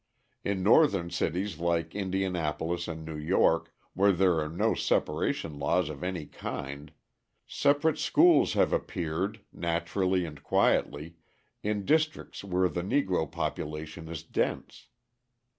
In Northern cities like Indianapolis and New York, where there are no separation laws of any kind, separate schools have appeared, naturally and quietly, in districts where the Negro population is dense.